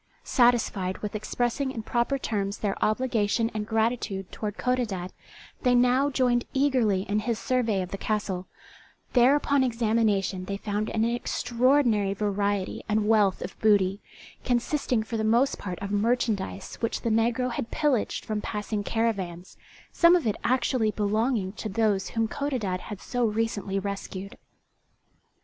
Satisfied with expressing in proper terms their obligation and gratitude toward Codadad, they now joined eagerly in his survey of the castle; there upon examination they found an extraordinary variety and wealth of booty, consisting for the most part of merchandise which the negro had pillaged from passing caravans, some of it actually belonging to those whom Codadad had so recently rescued.